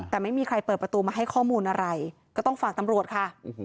แต่ไม่มีใครเปิดประตูมาให้ข้อมูลอะไรก็ต้องฝากตำรวจค่ะ